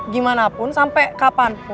gimanapun sampai kapanpun